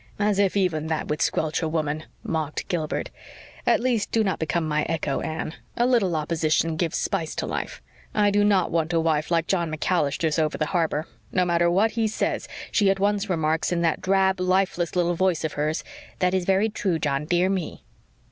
"As if even that would squelch a woman!" mocked Gilbert. "At least do not become my echo, Anne. A little opposition gives spice to life. I do not want a wife like John MacAllister's over the harbor. No matter what he says, she at once remarks in that drab, lifeless little voice of hers, 'That is very true, John, dear me!'"